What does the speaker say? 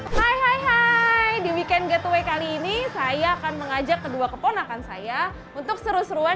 hai hai hai di weekend getaway kali ini saya akan mengajak kedua keponakan saya untuk seru seruan